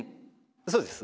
そうです。